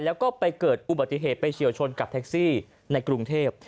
แล้วก็ไปเกิดอุบัติเหตุไปเฉียวชนกับแท็กซี่ในกรุงเทพ